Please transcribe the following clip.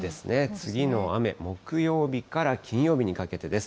次の雨、木曜日から金曜日にかけてです。